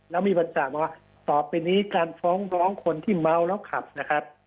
แล้วมีบริจาคมาว่าต่อไปนี้การฟ้องร้องคนที่เมาแล้วขับนะครับ